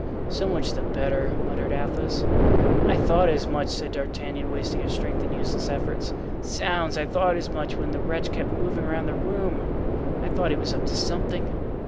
"So much the better," muttered Athos. "I thought as much," said D'Artagnan, wasting his strength in useless efforts. "Zounds, I thought as much when the wretch kept moving around the room. I thought he was up to something."